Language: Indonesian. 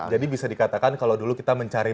jadi bisa dikatakan kalau dulu kita mencari